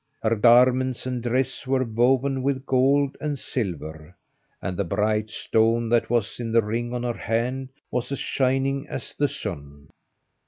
Her garments and dress were woven with gold and silver, and the bright stone that was in the ring on her hand was as shining as the sun.